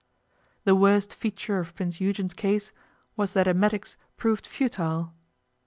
The worst feature of Prince Eugen's case was that emetics proved futile.